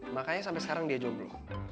makanya sampai sekarang dia jomblo